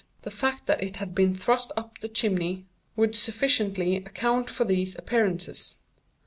The fact that it had been thrust up the chimney would sufficiently account for these appearances.